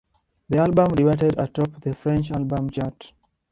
The album debuted atop the French album chart.